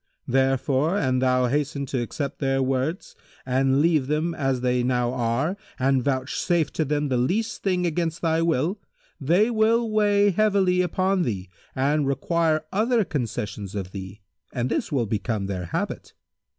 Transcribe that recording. Therefore an thou hasten to accept their words and leave them as they now are and vouchsafe to them the least thing against thy will, they will weigh heavily upon thee and require other concessions of thee, and this will become their habit.